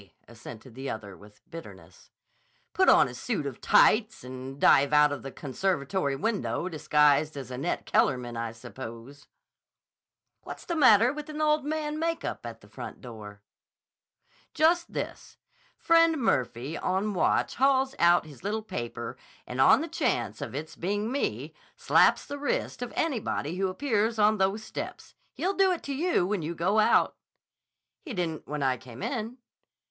assented the other with bitterness. "Put on a suit of tights and dive out of the conservatory window disguised as Annette Kellerman, I suppose." "What's the matter with an old man makeup and the front door?" "Just this. Friend Murphy on watch hauls out his little paper and on the chance of its being me, slaps the wrist of anybody who appears on those steps. He'll do it to you when you go out." "He didn't when I came in."